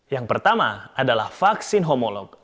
yang pertama adalah vaksin homolog